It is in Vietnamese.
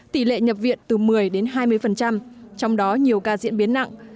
tỷ lệ nhập viện từ một mươi đến hai mươi trong đó nhiều ca diễn biến nặng